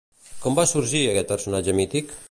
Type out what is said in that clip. Com va sorgir aquest personatge mític?